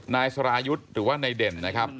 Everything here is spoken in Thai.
นายสรายุทธ์หรือว่านายเด่นนะครับ